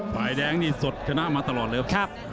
ไฟแดงสดขณะมาตลอดเลยครับ